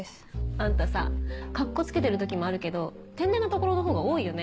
あんたさカッコつけてる時もあるけど天然なところのほうが多いよね？